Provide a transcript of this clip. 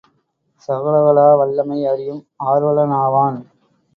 சகலகலாவல்லமை அறியும் ஆர்வலனாவான்.